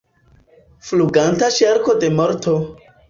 Fluganta ŝarko de morto!